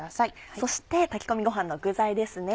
そして炊き込みごはんの具材ですね。